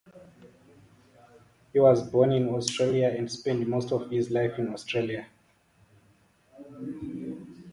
He was born in Australia and spent most of his life in Australia.